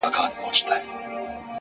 وجود به اور واخلي د سرې ميني لاوا به سم!